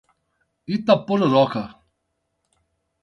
Itapororoca